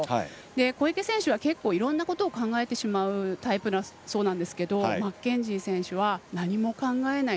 小池選手は結構いろんなことを考えてしまうタイプだそうなんですけどマッケンジー選手は何も考えない。